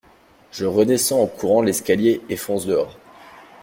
Je redescends en courant l’escalier et fonce dehors.